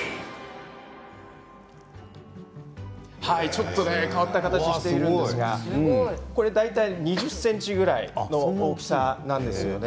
ちょっと変わった形をしているんですが大体２０ｃｍぐらいの大きさなんです。